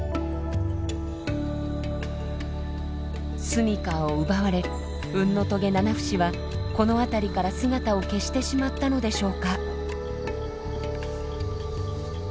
住みかを奪われウンノトゲナナフシはこの辺りから姿を消してしまったのでしょうか。